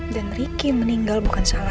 dan riki meninggal bukan salah lo